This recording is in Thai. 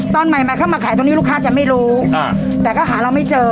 ตอนใหม่เข้ามาขายตรงนี้ลูกค้าจะไม่รู้แต่ก็หาเราไม่เจอ